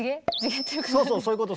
そうそうそういうこと。